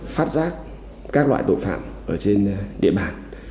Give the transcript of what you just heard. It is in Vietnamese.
phát giác các loại tội phạm ở trên địa bàn